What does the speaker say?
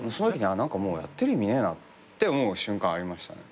何かもうやってる意味ねえなって思う瞬間ありましたね。